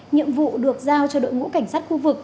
nhiệm vụ được giao cho đội ngũ cảnh sát khu vực